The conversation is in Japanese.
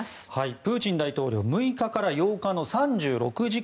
プーチン大統領６日から８日の３６時間